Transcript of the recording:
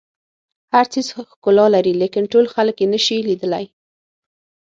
هر څیز ښکلا لري لیکن ټول خلک یې نه شي لیدلی.